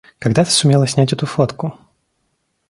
Когда ты сумела снять эту фотку?